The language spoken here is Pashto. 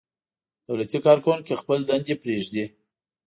دولتي کارکوونکي خپلې دندې پرېږدي.